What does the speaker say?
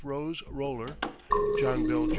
ROSE, Roller { JOHN BELL, JR.